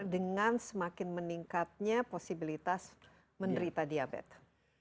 dengan semakin meningkatnya posibilitas menderita diabetes